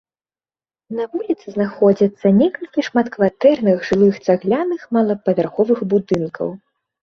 На вуліцы знаходзіцца некалькі шматкватэрных жылых цагляных малапавярховых будынкаў.